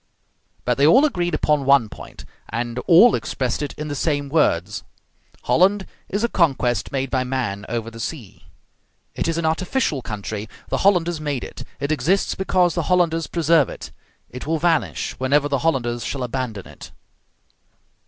But they all agreed upon one point, and all expressed it in the same words: Holland is a conquest made by man over the sea; it is an artificial country: the Hollanders made it; it exists because the Hollanders preserve it; it will vanish whenever the Hollanders shall abandon it.